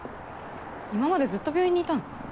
今までずっと病院にいたの？